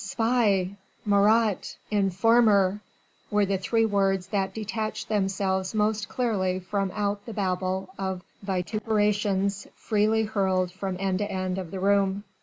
"Spy! Marat! Informer!" were the three words that detached themselves most clearly from out the babel of vituperations freely hurled from end to end of the room.